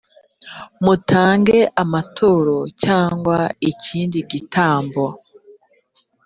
mutange amaturo cyangwa ikindi gitambo